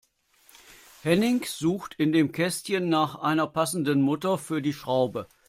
Henning sucht in dem Kästchen nach einer passenden Mutter für die Schraube.